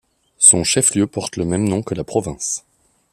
Son chef-lieu porte le même nom que la province.